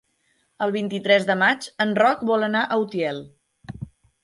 El vint-i-tres de maig en Roc vol anar a Utiel.